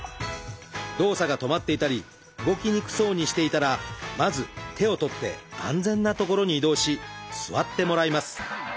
動作が止まっていたり動きにくそうにしていたらまず手をとって安全な所に移動し座ってもらいます。